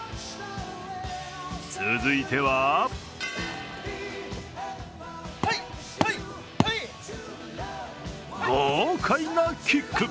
続いては豪快なキック。